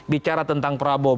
bicara tentang prabowo